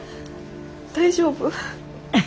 大丈夫？